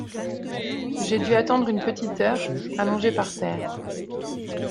J’ai dû attendre une petite heure, allongé par terre.